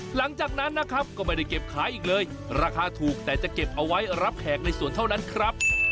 หลังจากนั้นนะครับก็ไม่ได้เก็บขายอีกเลยราคาถูกแต่จะเก็บเอาไว้รับแขกในสวนเท่านั้นครับ